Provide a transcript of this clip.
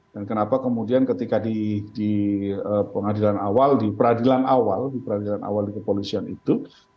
dan kenapa kemudian ketika di peradilan awal di kepolisian itu